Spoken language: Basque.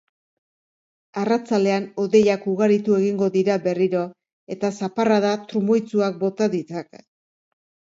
Arratsaldean hodeiak ugaritu egingo dira berriro eta zaparrada trumoitsuak bota ditzake.